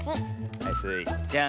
はいスイちゃん。